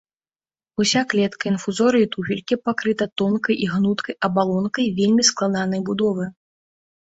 Уся клетка інфузорыі-туфелькі пакрыта тонкай і гнуткай абалонкай вельмі складанай будовы.